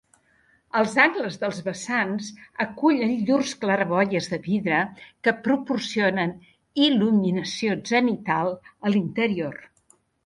Els angles dels vessants acullen llurs claraboies de vidre que proporcionen il·luminació zenital a l'interior.